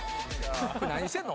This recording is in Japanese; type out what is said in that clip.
「これ何してんの？